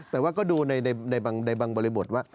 แต่ว่าก็ดูในบางบริบทว่า